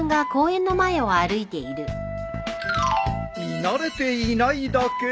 見慣れていないだけ？